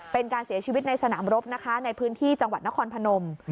เป็นการเสียชีวิตในสนามรบนะคะในพื้นที่จังหวัดนครพนม